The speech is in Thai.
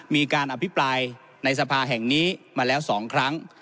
มีการอภิปรายในสภาแห่งนี้มาแล้ว๒ครั้ง